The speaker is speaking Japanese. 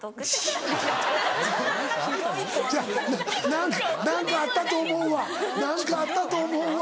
・何か何かあったと思うわ何かあったと思うわ。